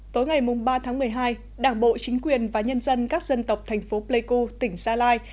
tối ngày ba tháng một mươi hai đảng bộ chính quyền và nhân dân các dân tộc thành phố pleiku tỉnh gia lai